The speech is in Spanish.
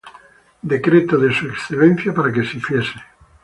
Decreto de su excelencia para que se hiciese.